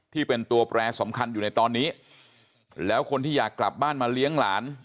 ที่เป็นตัวแปรสำคัญอยู่ในตอนนี้แล้วคนที่อยากกลับบ้านมาเลี้ยงหลาน